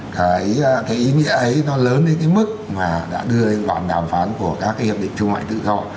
cái ý nghĩa ấy nó lớn đến cái mức mà đã đưa đến đoàn đàm phán của các hiệp định thương mại tự do